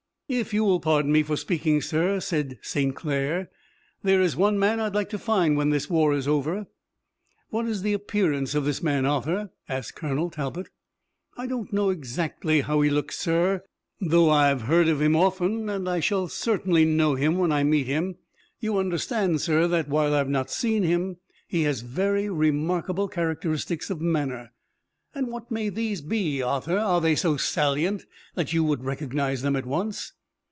"If you will pardon me for speaking, sir," said St. Clair, "there is one man I'd like to find, when this war is over." "'What is the appearance of this man, Arthur?" asked Colonel Talbot. "I don't know exactly how he looks, sir, though I've heard of him often, and I shall certainly know him when I meet him. You understand, sir, that, while I've not seen him, he has very remarkable characteristics of manner." "And what may those be, Arthur? Are they so salient that you would recognize them at once?"